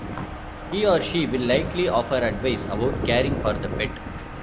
He or she will likely offer advice about caring for the pet.